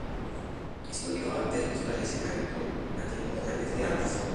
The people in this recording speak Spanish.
Estudió artes visuales en la Ecole Nationale des Arts.